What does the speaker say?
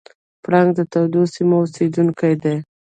پړانګ د تودو سیمو اوسېدونکی دی.